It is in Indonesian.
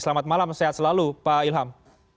selamat malam sehat selalu pak ilham